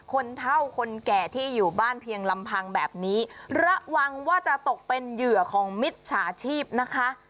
คนเท่าคนแก่ที่อยู่บ้านเพียงลำพังแบบนี้ระวังว่าจะตกเป็นเหยื่อของมิจฉาชีพนะคะ